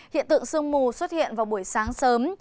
hiện tượng sương mù xuất hiện vào buổi sáng sớm